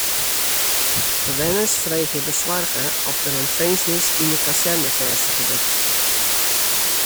Bewenners freegje besoarge oft der in finzenis yn de kazerne fêstige wurdt.